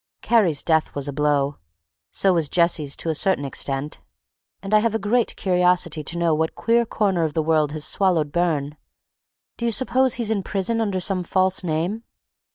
Kerry's death was a blow, so was Jesse's to a certain extent. And I have a great curiosity to know what queer corner of the world has swallowed Burne. Do you suppose he's in prison under some false name?